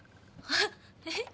あっえっ？